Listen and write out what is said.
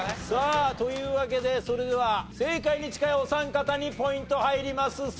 さあというわけでそれでは正解に近いお三方にポイント入ります。